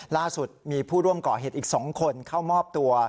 ล่าสุดมีผู้ร่วมก่อเหตุอีก๒คนเข้ามอบตัว